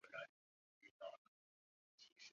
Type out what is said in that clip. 于嘉诺撒圣玛利书院毕业后入读香港浸会学院。